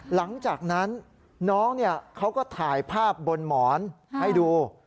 หลังจากนั้นน้องเขาก็ถ่ายภาพบนหมอนให้ดู